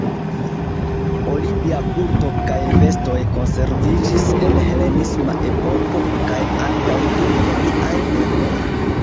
Olimpia kulto kaj festoj konserviĝis en helenisma epoko kaj ankaŭ dum romiaj tempoj.